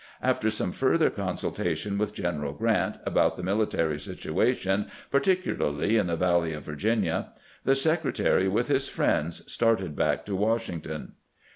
After some further con sultation with Q eneral Grant about the military situa tion, particularly in the valley of Virginia, the Secretary, with his friends, started back to Washington.